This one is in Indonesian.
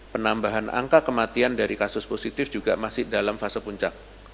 penambahan angka kematian dari kasus positif juga masih dalam fase puncak